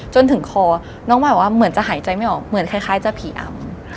จนถึงคอน้องมายบอกว่าเหมือนจะหายใจไม่ออกเหมือนคล้ายจะผีอำ